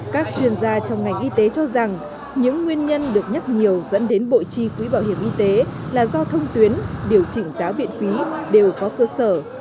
các chuyên gia trong ngành y tế cho rằng những nguyên nhân được nhắc nhiều dẫn đến bộ chi quỹ bảo hiểm y tế là do thông tuyến điều chỉnh giá viện phí đều có cơ sở